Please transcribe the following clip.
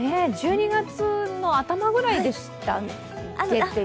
１２月も頭ぐらいでしたっけ？